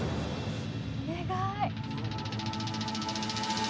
お願い。